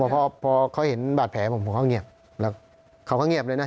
เขาบอกพอเพราะเขาเห็นบาดแผลผมเขาก็เงียบแล้วเขาก็เงียบเลยน่ะ